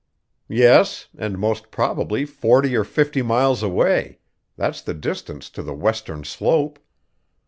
"Yes, and most probably forty or fifty miles away that's the distance to the western slope.